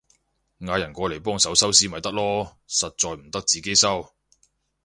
嗌人過嚟幫手收屍咪得囉，實在唔得自己收